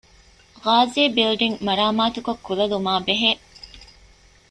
ޣާޒީ ބިލްޑިންގ މަރާމާތުކޮށް ކުލަލުމާބެހޭ